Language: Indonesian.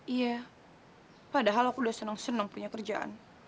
iya padahal aku udah seneng seneng punya kerjaan